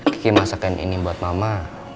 kiki masakan ini buat mama